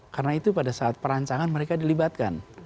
karena itu pada saat perancangan mereka dilibatkan